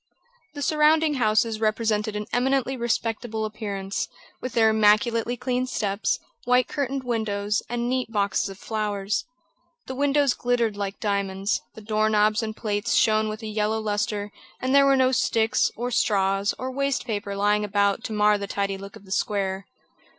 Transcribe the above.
The surrounding houses represented an eminently respectable appearance, with their immaculately clean steps, white curtained windows, and neat boxes of flowers. The windows glittered like diamonds, the door knobs and plates shone with a yellow lustre, and there were no sticks, or straws, or waste paper lying about to mar the tidy look of the square.